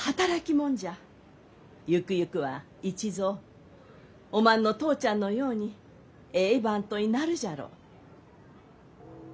ゆくゆくは市蔵おまんの父ちゃんのようにえい番頭になるじゃろう。